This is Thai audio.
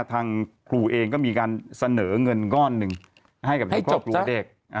ทางครูเองก็มีการเสนอเงินก้อนหนึ่งให้กับทางครอบครัวเด็ก